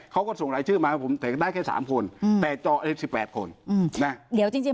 เขาก็ส่งรายชื่อมาให้ผมได้แค่สามคนอืมแต่เจาะเลยสิบแปดคนอืมนะเดี๋ยวจริงจริง